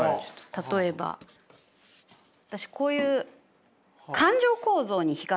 例えば私こういうほう。